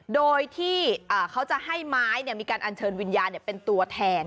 โดยที่เขาจะให้ไม้มีการอัญเชิญวิญญาณเป็นตัวแทน